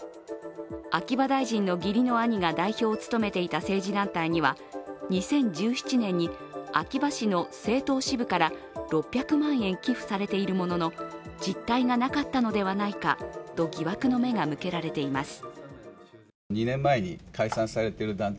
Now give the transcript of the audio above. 秋葉大臣の義理の兄が代表を務めていた政治団体には、２０１７年に秋葉氏の政党支部から６００万円寄付されているものの実態がなかったのではないかと疑惑の目が向けられています。